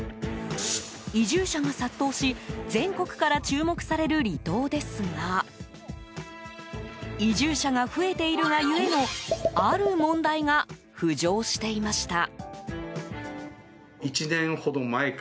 移住者が殺到し全国から注目される離島ですが移住者が増えているが故のある問題が浮上していました。